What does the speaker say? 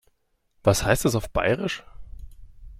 Was heißt das auf Bairisch?